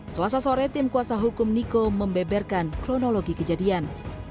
selasa sore tim kuasa hukum niko membeberkan kronologi kejadian